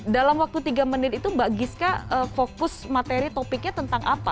dalam waktu tiga menit itu mbak giska fokus materi topiknya tentang apa